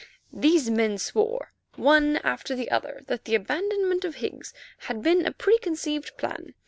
These men swore, one after the other, that the abandonment of Higgs had been a preconceived plan.